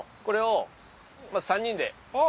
これを３人で。